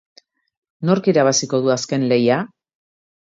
Nork irabaziko du azken lehia?